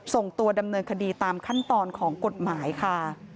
ส่งตัวดำเนินคดีตามขั้นตอนของกฎหมายค่ะ